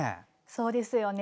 そうですよね。